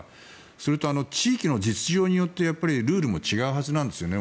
それと、地域の実情によってルールも違うはずなんですよね。